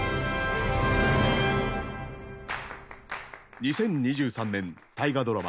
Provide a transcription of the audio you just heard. ２０２３年大河ドラマ